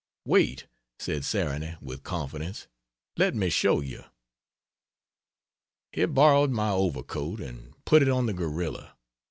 "Wait," said Sarony with confidence, "let me show you." He borrowed my overcoat and put it on the gorilla.